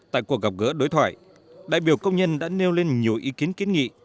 tại cuộc gặp gỡ đối thoại đại biểu công nhân đã nêu lên nhiều ý kiến kiến nghị